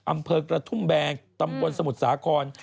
อำเภอกระทุ่มแบนตำบลสมุทรสาคร